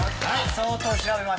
相当調べましたんで。